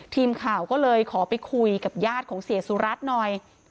ทีมข่าวก็เลยขอไปคุยกับญาติของเสียสุรัตน์หน่อย